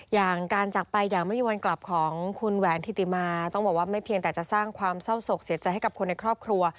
อย่างการจากไปอย่างไม่มีวันกลับของคุณแหวนธิติมาต้องบอกว่าไม่เพียงแต่จะสร้างความเศร้าศกเสียใจให้กับคนในครอบครัว